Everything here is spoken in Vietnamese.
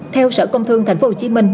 theo sở công thương tp hcm